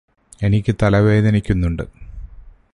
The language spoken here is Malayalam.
എനിക്ക് തല വേദനിക്കുന്നുണ്ട്